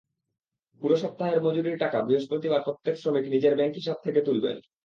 পুরো সপ্তাহের মজুরির টাকা বৃহস্পতিবার প্রত্যেক শ্রমিক নিজের ব্যাংক হিসাব থেকে তুলবেন।